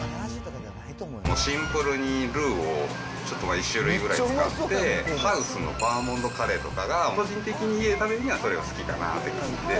シンプルにルーをちょっと１種類ぐらい使って、ハウスのバーモントカレーとかが、個人的に家ではそれが好きかなという感じで。